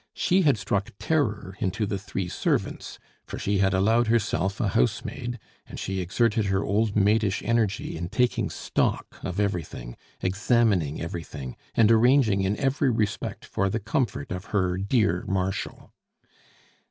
She had struck terror into the three servants for she had allowed herself a housemaid, and she exerted her old maidish energy in taking stock of everything, examining everything, and arranging in every respect for the comfort of her dear Marshal.